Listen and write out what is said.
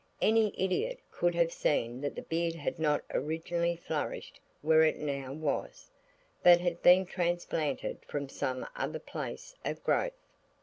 Any idiot could have seen that the beard had not originally flourished where it now was, but had been transplanted from some other place of growth.